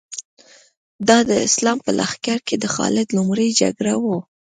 دا د اسلام په لښکر کې د خالد لومړۍ جګړه وه.